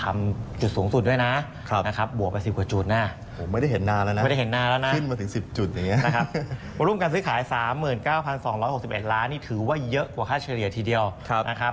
ร่วมกันซื้อขาย๓๙๒๖๑ล้านนี่ถือว่าเยอะกว่าค่าเฉลี่ยทีเดียวนะครับ